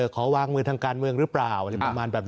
ขอวางมือทางการเมืองหรือเปล่าอะไรประมาณแบบนี้